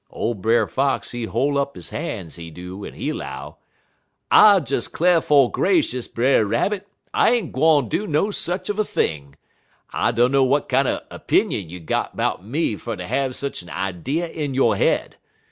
"Ole Brer Fox, he hol' up he han's, he do, en he 'low: "'I des 'clar' 'fo' gracious, Brer Rabbit, I ain't gwine do no sech uv a thing. I dunner w'at kinder 'pinion you got 'bout me fer ter have sech idee in yo' head.